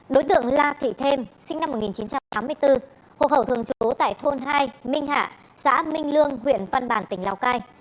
đối tượng la thị thêm sinh năm một nghìn chín trăm tám mươi bốn hộ khẩu thường trú tại thôn hai minh hạ xã minh lương huyện văn bàn tỉnh lào cai